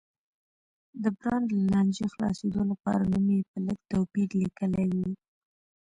د برانډ له لانجې خلاصېدو لپاره نوم یې په لږ توپیر لیکلی و.